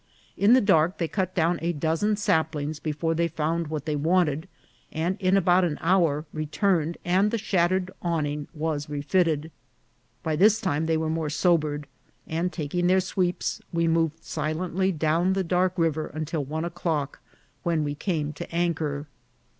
In the dark they cut down a dozen saplings before they found what they wanted, and in about an hour returned, and the shattered awning was refitted. By this time they were more sobered ; and taking their sweeps, we moved silently down the dark river until one o'clock, when we came to anchor.